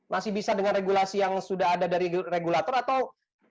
masih bisa dengan regulasi yang sudah ada dari regulator atau